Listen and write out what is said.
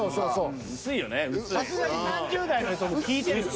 さすがに３０代の人も聴いてるよな。